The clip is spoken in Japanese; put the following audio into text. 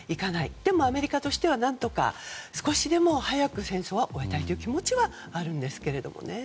でも、アメリカとしては少しでも早く戦争を終えたいという気持ちはあるんですけどね。